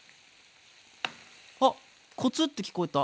あっコツッて聞こえた。